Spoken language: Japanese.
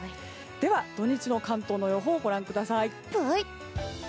では土日の関東の予報をご覧ください。